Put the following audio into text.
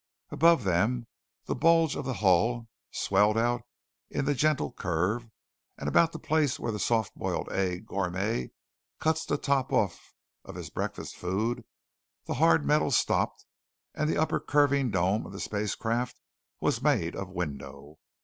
Above them, the bulge of the hull swelled out in the gentle curve, and about the place where the soft boiled egg gourmet cuts the top off of his breakfast food, the hard metal stopped and the upper curving dome of the spacecraft was made of window.